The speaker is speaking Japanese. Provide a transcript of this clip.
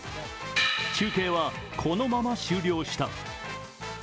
中継は、このまま終了した。